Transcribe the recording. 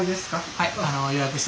はい。